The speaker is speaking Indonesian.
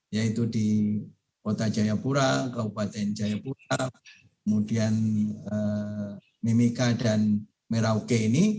yaitu di kota jayapura kabupaten jayapura kemudian mimika dan merauke ini